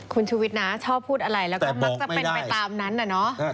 คุณชุวิตนะชอบพูดอะไรแล้วก็มักจะเป็นไปตามนั้นน่ะเนอะ